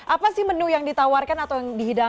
apa sih menu yang ditawarkan atau yang dihidangkan